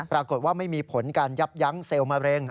ปรากฏว่าไม่มีผลการยับยั้งเซลล์มะเร็ง